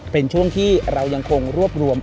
เป็นช่วงที่เรายังคงรวบรวม